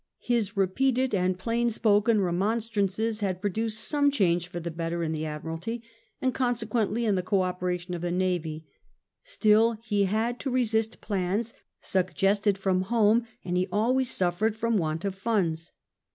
His repeated and plain spoken remonstrances had produced some change for the better in the Admiralty, and consequently in the co operation of the Navy ; still he had to resist plans suggested from home, and he always suffered from want of funds.